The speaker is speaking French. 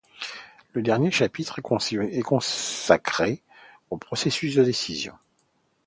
Le dernier chapitre est consacré au processus de décision.